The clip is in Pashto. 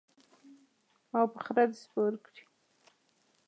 او په خره دې سپور کړي.